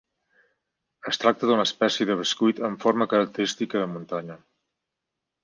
Es tracta d'una espècie de bescuit amb forma característica de muntanya.